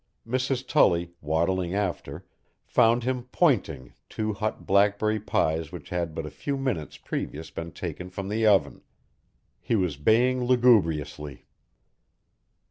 Mrs. Tully, waddling after, found him "pointing" two hot blackberry pies which had but a few minutes previous been taken from the oven. He was baying lugubriously.